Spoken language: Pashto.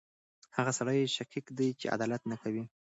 هغه سړی شقیه دی چې عدالت نه کوي.